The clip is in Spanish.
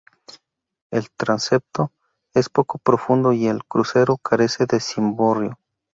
El transepto es poco profundo y el crucero carece de cimborrio.